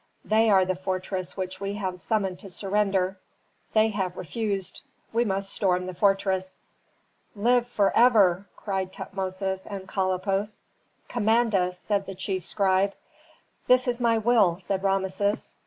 They are the fortress which we have summoned to surrender. They have refused; we must storm the fortress." "Live forever!" cried Tutmosis and Kalippos. "Command us," said the chief scribe. "This is my will," said Rameses.